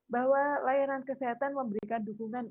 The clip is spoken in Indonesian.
bahwa layanan kesehatan memberikan dukungan